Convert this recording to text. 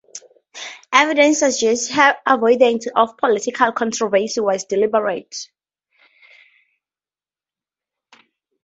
Evidence suggests her avoidance of political controversy was deliberate.